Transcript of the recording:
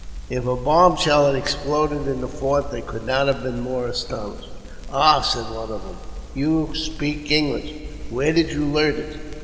If a bomb shell had exploded in the fort they could not have been more astonished. "Ah," said one of them, " you speak English ! Where did you learn it?"